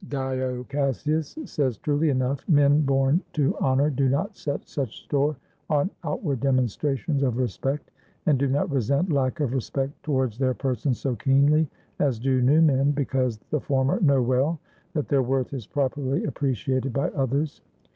Dio Cassius says truly enough: "Men bom to honor do not set such store on outward demon strations of respect, and do not resent lack of respect to wards their persons so keenly as do new men, because the former know well that their worth is properly appre ciated by others.